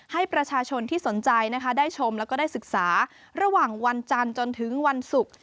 ให้ประชาชนที่สนใจนะคะได้ชมแล้วก็ได้ศึกษาระหว่างวันจันทร์จนถึงวันศุกร์